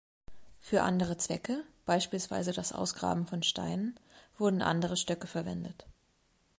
Für andere Zwecke, beispielsweise das Ausgraben von Steinen, wurden andere Stöcke verwendet.